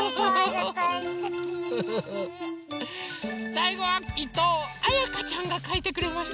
さいごはいとうあやかちゃんがかいてくれました。